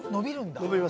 伸びます。